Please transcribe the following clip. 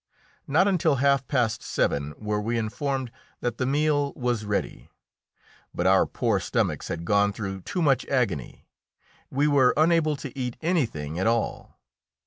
Not until half past seven were we informed that the meal was ready; but our poor stomachs had gone through too much agony; we were unable to eat anything at all.